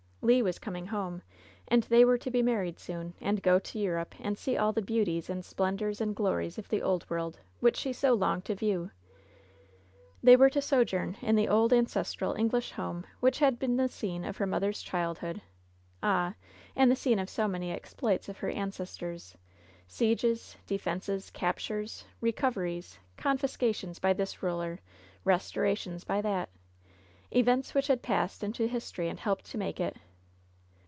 Le was coming home, and they were to be married soon, and go to Europe and see all the beauties and splendors and glories of the Old World, which she so longed to view. They were to sojourn in the old, ancestral English home which had been the scene of her mother's childhood — ah ! and the scene of so many exploits of her ancestors — sieges, defenses, captures, re coveries, confiscations by this ruler, restorations by that LOVE'S BITTEREST CUP 63 — events which had passed into history and helped to make it.